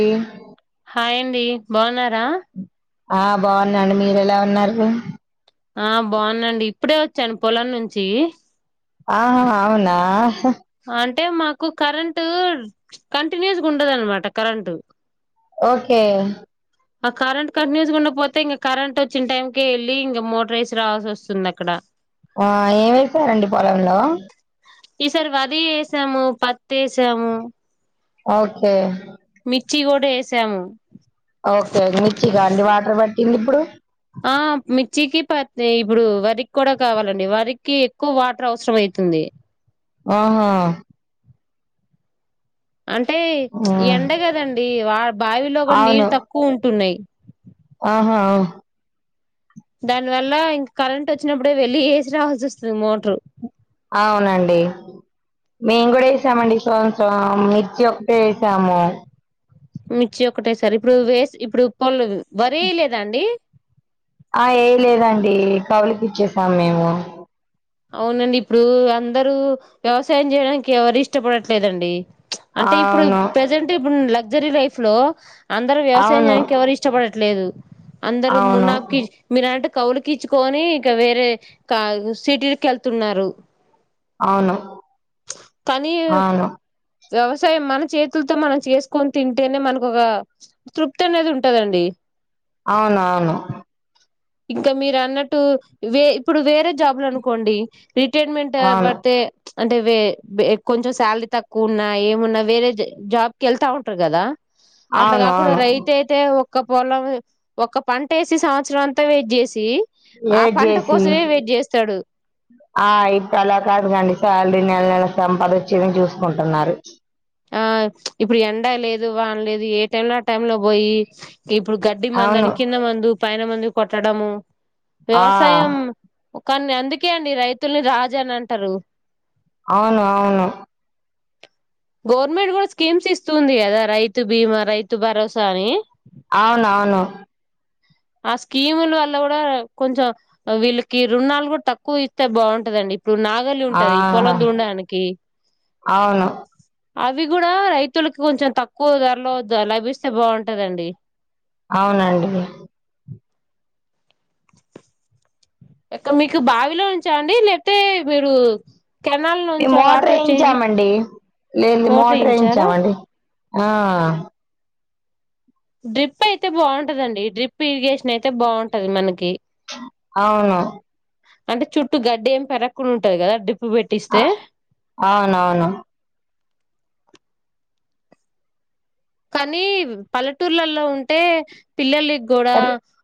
Game hi అండి బావున్నారా? ఆ బాగున్నాను మీరు ఎలా ఉన్నారు ఆ బానండి ఇప్పుడే వచ్చాను పొలం నుంచి ఆహా అవునా అంటే మాకు కరెంటు కంటిన్యూస్గా ఉండద అన్నమాట కరెంటు ఓకే ఆ కరెంట్ కంటిన్యూస్ ఉండాపోతే ఇంక కరెంట్ వచ్చిన టైంక వెళ్ళలి ఇంకా మోటర్ వేసి రావాల్సి వస్తుంది అక్కడ ఆ ఏమేశారండి పొలంలో ఈసారి వారి వేసాము పత్తి వేసాము ఓకే మిర్చి కూడా వేసాము ఓకే మిర్చిగా అండి వాటర్ పట్టింది ఇప్పుడు ఆ మిర్చికి ప ఇప్పుడు వరికి కూడా కావాలండి వరికి ఎక్కువ వాటర్ అవసరం అయింది అవుతుంది ఆహా అంటే ఉమ్ ఎండ కదండి వా బావిలో కూడా నీరు అవును తక్కువ ఉంటున్నాయి ఆహా దాని వల్ల ఇంకా కరెంట్ వచ్చినప్పుడే వెళ్ళి వేసి రావాల్సి వస్తుంది మోటరు అవునండి మేము కూడా వేసామండి ఈ సంవత్సరం మిర్చి ఒక్కటే వేసాము మిర్చి ఒకటే సారి ఇప్పుడు వేస్ ఇప్పుడు పళు వరి లేదా అండి ఏ వేయలేదండి కౌగిలికి ఇచ్చేసము మేము అవునండి ఇప్పుడు అందరు వ్యవసాయం చేయడానికి ఎవరు ఇష్టపడట్లేదండి అంటే ఇప్పుడు అవును ప్రజెంట్ ఇప్పుడు లగ్జరీ లైఫ్ లో అందరు వ్యవసాయం అవును చేయనికి ఎవరు ఇష్టపడట్లేదు అందరు అవును మునాబకి కౌలికి ఇచ్చుకొని ఇక వేరే కా సిటీకి వెళ్తున్నారు అవును కానీ అవును వ్యవసాయం మన చేతులతో మనం చేసుకొని తింటేనే మనకు ఒక తృప్తి అనేది ఉంటదండి అవును అవును ఇంకా మీరు అన్నట్టు వే ఇప్పుడు వేరే జాబ్ లు అనుకోండి రిటైర్మెంట్ అవును పడుతే అంటే కొంచెం శాలరీ తక్కువ ఉన్నా ఏమున్నా వేరే జాబ్ కి వెళ్తా ఉంటారు కదా అట్లా అవును కాకుండా అవును రైతు అయితే ఒక్క పొలం ఒక పంట వేసి సంవత్సరం అంతా వెయిట్ చేసి మా ఏడ్ పంట చేసి కోసమే వెయిట్ చేస్తాడు ఆ ఇప్పుడు అలా కాదు కాండి శాలరీ నెల నెల సంపాద వచ్చేది చూసుకుంటున్నారు ఆ ఇప్పుడు ఎండా లేదు వానలేదు ఏ టై లో ఆ టై లో పోయి ఇప్పుడు గడ్డి అవును మందుని కింద మందు పైన మందు కొట్టడము ఆ వ్యవసాయం ఒకన్ని అందుకే అండి రైతుల్ని రాజు అని అంటారు అవును అవును గవర్నమెంట్ కూడా స్కీమ్స్ ఇస్తుంది కదా రైతు బీమా రైతు భరోసా అని అవున అవును ఆ స్కీముల వల్ల కూడా కొంచెం వీళ్ళకి రుణాలు కూడా తక్కువ ఇస్తే బాగుంటదండి ఇప్పుడు నాగల్లి ఆ ఉంటది పొలం దుంనడానికి అవును అవి కూడా రైతులకి కొంచెం తక్కువ ధరలో లభిస్తే బాగుంటదండి అవునండి ఇక్క మీకు బావిలోచ అండి లేపోతే మీరు కెనాల్ మీ నుంచా మోటార్ వాటర్ వచ్చేది వేయించామండి లేదు మోటర్ మోటార్ వేయించారా వేయించామండి ఆ డ్రిప్ అయితే బాగుంటదండి డ్రిప్ ఇరిగేషన్ అయితే బాగుంటది మనకి అవును అంటే చుట్టూ గడ్డి ఏమి పెరగకుండా ఉంటది కదా డిప్ ఆ అవునవును కానీ పల్లెటూర్లలో ఉంటే పిల్లలకి కూడా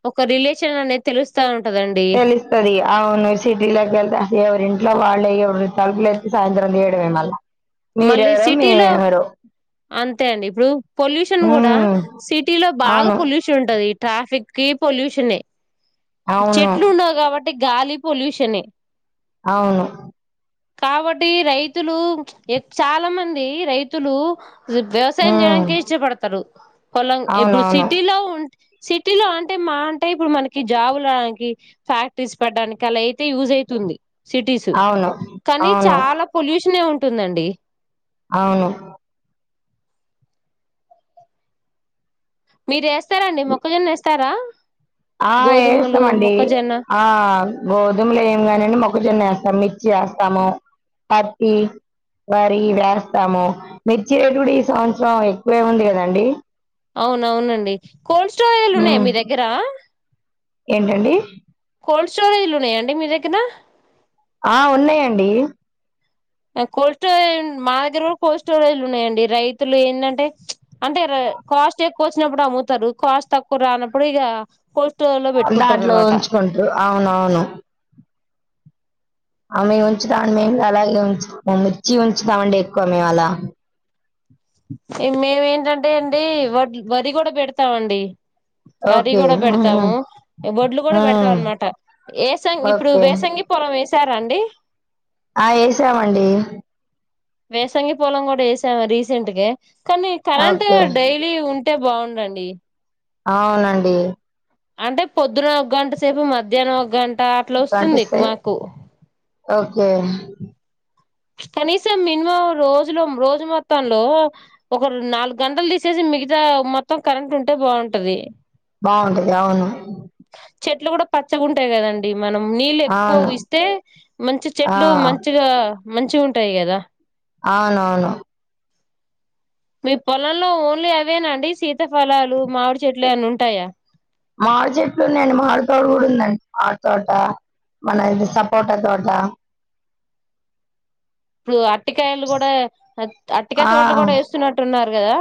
ఒ క రిలేషన్ అనేది తెలుస్తా ఉం తెలుస్తది అవును సిటీలోకి వెళ్తా ఎవరింట్లో వాళ్ళు తలుపు లేస్తే సాయంత్రం తీయడమే మల్ల మీరు మళ్ళీ ఎవరో మేము సిటీలో ఎవరో అంతే అండి ఇప్పుడు పొల్యూషన్ కూడా సిటీ లో బాగా అవును. పొల్యూషన్ ఉంటది ట్రాఫిక్ కి పొల్యూషనే అవును. చెట్లు ఉన్నావు కాబ టి గాలి పొల్యూషన్ ఏ అవును కాబట్టి రైతులు ఏ చాలా మంది రైతులు వ్యవసాయం హ్మ్. చేయడానికే ఇష్టపడతారు పోలం ఇప్పుడు అవునవును. సిటీలో ఉం సిటీలో అంటే మా అంటే ఇప్పుడు మనకి జాబులు రాడానికి ఫ్యాక్టరీస్ పెట్టడానికి అలా అయితే యూస్ అవుతుంది సిటీస్ అవును. కానీ అవును. చాలా పొల్యూషన్ ఉంటుందండి అవును మీరు వేస్తారా అండి మొక్కజొన్న ఏస్తారా ఆ వస్తామండి ఆ గోధుమలు ఏయం కనండి మొక్కజొన్న వేస్తాం చేస్తాము పత్తి వరి వేస్తాము మిర్చి రేటు కూడా ఈ సంవత్సరం ఎక్కువే ఉంది కదండి అవునవునండి కోల్డ్ స్టోరేజ్లు ఉన్నాయా హ్మ్. మీ దగ్గర ఏంటండి? కోల్డ్ స్టోరేజ్లు ఉన్నాయండి మీదగ్గర ఆ ఉన్నాయండి కోస్ట మా దగ్గర కూడా కోస్టలు ఉన్నాయండి రైతులు ఏంటంటే అంటే కాస్ట్ ఎక్కువ వచ్చినప్పుడు అమ్ముతారు కాస్ట్ తక్కువ రానప్పుడు ఇగా కోస్ట లో దాంట్లో పెట్టుకుంటారన్నమాట ఉంచుకుంటారు. అవునవును. ఆ మేము ఉంచుతాండి మేము అలాగే ఉంచుతాము మిర్చి ఉంచుతామండి ఎక్కువ మేము అలా మేము ఏంటంటే అండి వ వరి కూడా పెడతామండి వరి ఓకే కూడా ఉహు పెడతాము వడ్లు కూడా పెడుతాం ఉమ్ అనమాట వేసంగి ఇప్పుడు ఓకే వేసంగి పొలం వేస్ సారా అండి ఆ వేసామండి వేసంగి పొలం కూడా వేసాము రీసెంట్గా కానీ కరెంట్ ఓకే డైలీ ఉం టే బాగుండండి అవునండి అంటే పొద్దున ఒక గంట సేపు మధ్యాహ్నం ఒక గంట అట్లా వస్తుంది గంటిస్తే మాకు ఓకే కనీసం మినిమం రోజులు రోజు మొత్తంలో ఒక నాలుగు గంటలు తీసేసి మిగతా మొత్తం కరెంట్ ఉంటే బాగుంటది బాగుంటది అవును చెట్లు కూడా పచ్చగాంటాయి కదండి మనం నీళ్ళ అవును ఎక్కువ ఇస్తే మంచి ఆ చెట్లు మంచిగా మంచిగా ఉంటాయి కదా అవునవును మీ పొలంలో ఓన్లీ అవేనాండి సీతఫలాలు మామిడి చెట్లు ఎవన ఉంటాయా మామిడి చెట్లు ఉన్నాండి మామిడి తోట కూడా ఉందండి మామిడి తోట మన ఇది సపోర్ట తోట [inaudible] ఇప్పుడు అరటికాయలు కూడా అటికాయ ఆ తోటలు కూడా వేస్తున్నట్టున్నారు కదా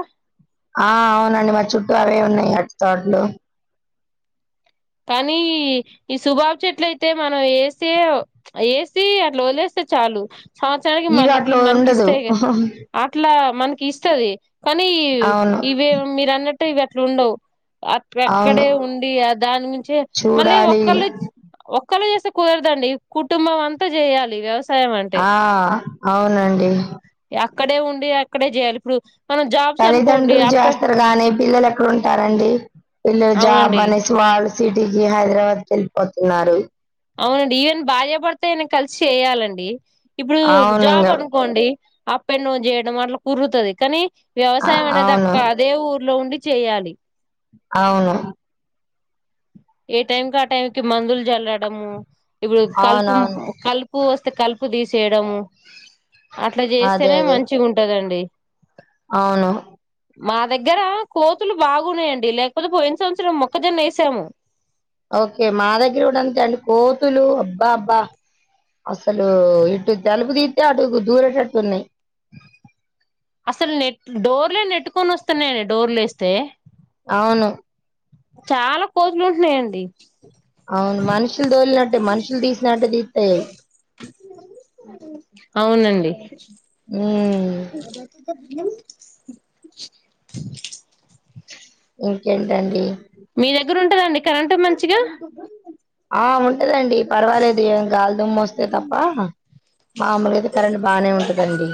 ఆ అవునండి మా చుట్టూ అవే ఉన్నాయి అరటి తోడ్లు కానీ ఈ సుబాబ చెట్ల అయితే మనం ఏసే ఏసి అట్లా వలేస్త చాలు సంవత్సరానికి ఇవి మళ్ళకి అట్లో మనకి ఉండదు ఇస్తే కదా అట్లా మనకి ఇస్తది కానీ అవును ఇవి మీరు అన్నట్టు ఇవి అట్లా ఉండవు అవును అక్కక్కడే ఉండి ఆ దాని నుంచే మళ్ళీ చూడాలి ఒక్కలే ఓ క్కలు చేస్తే కుదరదండి కుటుంబం అంతా చేయాలి వ్యవస్ ఆ అవునండి అక్కడే ఉండి అక్కడే చేయాలి ఇప్పుడు మనం జాబ్స్ అనుకోండి తల్లిదండ్రులు అప్ప చేస్తారు గానీ పిల్లలు ఎక్కడ ఉంటారండి పిల్లలు జాబ్ అవునండి అనేసి వాళ్ళు సిటీకి హైదరాబాద్ కి వెళ్ళిపోతున్నారు అవునండి ఈవెన్ భార్య పడితే నయను కలిసి చేయాలండి ఇప్పుడు అవును ఇంగ జాబ్ అనుకోండి అప్పెన్డవన్ చేయడం అట్లా కురుతుంది కానీ ఆ వ్యవసాయం అనేది అవును అక్క అదే ఊరు లో ఉండి చేయాలి అవును ఏ టైంకి ఆ టైం కి మందులు జల్డము ఇప్పుడు కలుపు అవునవును కలుపు ఉ ప వస్తే కలుపు తీసేయడము అట్లా అదే చేస్తేనే అదే మంచిగా ఉంటదండి అవును మా దగ్గర కోతులు బాగున్నాయండి లేకపోతే పోయిన సంవత్సరం మొక్కజొన్న వేసాము ఓకే మా దగ్గర కూడా అంతే అండి కోతులు అబ్బా అబ్బా అసలు ఇటు తలుపు దితే అటు దూరేటట్టు ఉన్నాయి అసలు నెట్ డోర్లే నెట్టుకొని వస్తున్నాయండి డోర్లు వేస్తే అవును చాలా కోతులుంటున్నాయండి అవును మనుషులు తోలినట్టే మనుషులు తీసినట్టే తీస్తాయయి అయి అవునండి ఉమ్ ఇంకేంటండి మీ దగ్గర ఉంటందండి కరెంటూ మంచిగా ఆ ఉంటదండి పర్వాలేదు గాలిదుుమ్మ వస్తే తప్ప మామలుగా అయితే కరెంట్ బానే ఉంటదండి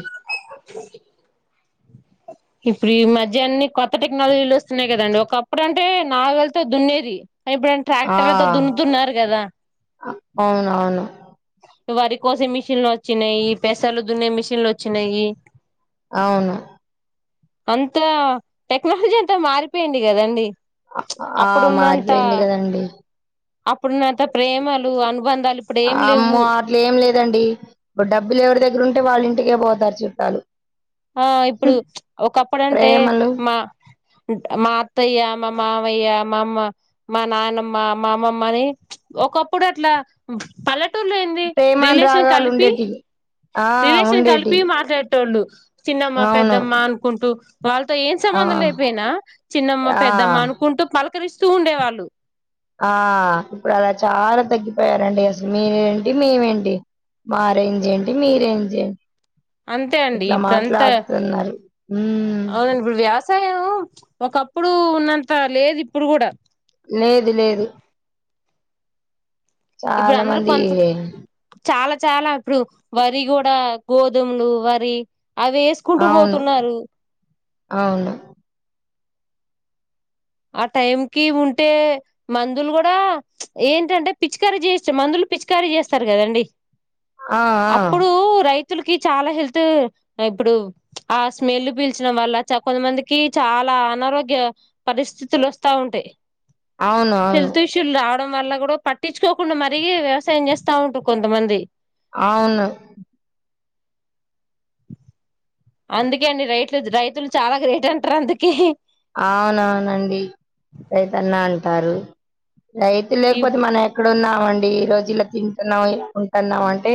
ఇప్పుడు ఈ మధ్యన్ని కొత్త టెక్నాలజీలు వస్తున్నాయి కదండి ఒకప్పుడు అంటే నాగ వెళ్తే దున్నేది ఇప్పుడు ట్రాక్టర్లతో దున్నుతున్నారు కదా అవును అవును వారి కోసే మిషన్లు వచ్చినాయి పెసాలు దున్నే మిషన్లు వచ్చినాయి అవును అంతా టెక్నాలజీ అంతా మారిపోయింది కదాండి ఆ! అప్పుడున్నంత మారిపోయింది గదండీ. అప్పుడున్నంత ప్రేమలు అనుబంధాలు ఇప్పుడు ఏం లేవు మ్మో అట్లు ఏం లేదండి ఇప్పుడు డబ్బులు ఎవరి దగ్గర ఉంటే వాళ్ళింటికే పోతారు చుట్టాలు ఆ ఇప్పుడు హ్మ్. ఒకప్పుడు అంటే ప్రేమలు, మా మా అత్తయ్య మా మావయ్య మా అమ్మ మా నానమ్మ మా అమ్మమ్మని ఒకప్పుడు అట్లా పలక్ ట్టులేంది రిలేషన్ కలిపి ప్రేమానురాగాలుండేటియి. ఆ! రిలేషన్ కలిపి ఉండేటియి. మాట్లాడ్ ట్టోళ్ళు చిన్నమ్మ అవును. పెద్దమ్మ అనుకుంటూ వాళ్ళతో ఏం ఆ! సంబంధం లేపోయినా చిన్నమ్మ ఆ! పెద్దమ్మ అనుకుంటూ పలకరిస్తూ ఉండేవాళ్ళు ఆ ఇప్పుడు అలా చాలా తగ్గిపోయారండి అసలు మీరేంటి మేమేంటి మా రేంజెంటి మీ రేంజెం అంతే అండి ఇప్పుడంతా హ్మ్. అవునండి ఇప్పుడు వ్యవసాయం ఒకప్పుడు ఉన్నంత లేదు ఇప్పుడు కూడా లేదు లేదు చాలా ఇప్పుడందరు మంది కొంత చాలా చాలా ఇప్పుడు వరి గూడా గోధుమ్లు వరి అవేస్కుంటూ అవును పోతున్నారు అవును ఆ టైం కి ఉంటే మందులు గూడా ఏంటంటే పిచ్చికారీ చేస్తే మందులు పిచికారీ చేస్తారు కదండి ఆ ఆ అప్పుడూ రైత్ తులకి చాలా హెల్త్ ఇప్పుడు ఆ స్మెల్ పీల్చడం వల్ల చ కొంతమందికి చాల అనారోగ్య పరిస్థితులు వస్తా ఉంటాయి అవును అవును హెల్త్ ఇష్యుల్ రా డం వల్ల కూడా పట్టించుకోకుండా మరీ వ్యవసాయం చేస్తా ఉంటారు కొంతమంది అవును అందుకే అండి రైట్లు రైతులు చాలా గ్రేట్ అంటారు అందుకే అవునవునండి రైతన్న అంటారు రైతు ఈ లేకపోతే మనం ఎక్కడ ఉన్నామండి ఈ రోజు ఇలా తింటున్నాం ఇలా ఉంటున్నాం అంటే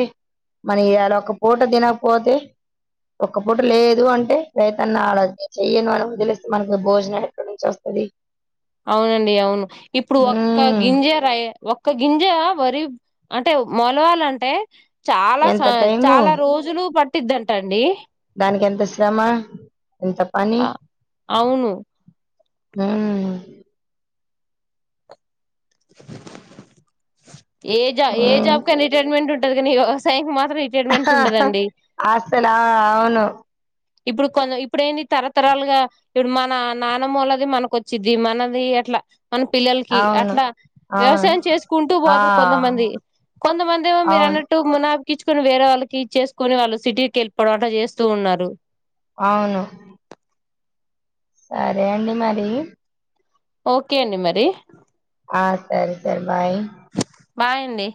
మన ఇయాల ఒక పూట తినప్పోతే ఒక్కపూట లేదు అంటే రైతన్న ఆడ నేన్ చెయ్యను అని వదిలేస్తే మనకూ భోజనం ఎక్కడ నుంచి వస్తది అవునండి అవును ఇప్పుడు ఒక్క ఉమ్ గింజ రై ఒక్క గింజా వరి అంటే మొలవాలంటే చాలా స్ ఎంత టైము చాలా రోజులు పట్ ట్టిద్దంటండి దానికెంత శ్రమ ఎంత పని ఆ అవును మ్ ఏ జాబ్ ఏ ఉమ్ జాబ్ కానీ రిటైర్మెంట్ ఉంటది కానీ ఇగ వ్యవసాయంకి మాత్ అహ అహ అస్సల అవును ఇప్పుడు కొన్ ఇప్పుడెంది తరతరాలుగా మన నానమ్మోళ్లది మనకు వచ్చిద్ది మనది అట్లా మన పిల్లల్కి అవును అట్లా అవును వ్యవసాయం చేసుకుంటూ ఆ పోతరు కొంతమంది కొంతమందిమో మీరు అవును అన్నట్టు మునా క్కిచ్చుకొని వేరే వాళ్ళకి ఇచ్చేసుకొని వాళ్ళు సిటీకెళ్ళిపోవడం అట్లా చేస్తూ ఉన్నారు అవును సరే అండి మరి ఓకే అండి మరి ఆ సరే సరె బాయ్ బాయండి